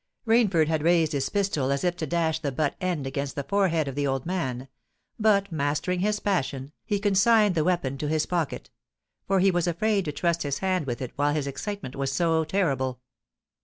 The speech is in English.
Rainford had raised his pistol as if to dash the butt end against the forehead of the old man: but, mastering his passion, he consigned the weapon to his pocket—for he was afraid to trust his hand with it while his excitement was so terrible.